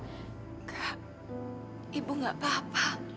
enggak ibu enggak apa apa